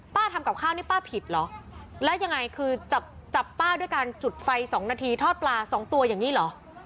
ทำกับข้าวนี่ป้าผิดเหรอแล้วยังไงคือจับจับป้าด้วยการจุดไฟสองนาทีทอดปลาสองตัวอย่างนี้เหรอ